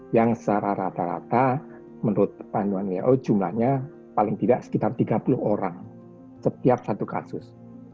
yang secara rata rata menurut panduan who jumlahnya paling tidak sekitar tiga puluh orang setiap satu kasus